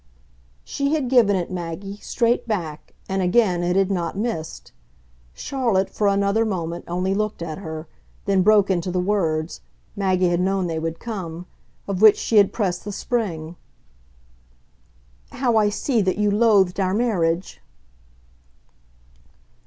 She had given it, Maggie, straight back, and again it had not missed. Charlotte, for another moment, only looked at her; then broke into the words Maggie had known they would come of which she had pressed the spring. "How I see that you loathed our marriage!"